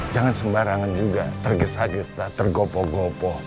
jangan sembarangan juga tergesa gesa tergopo gopo